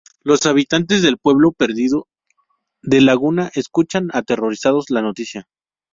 Los habitantes del pueblo perdido de Laguna escuchan aterrorizados la noticia.